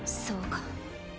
そうか。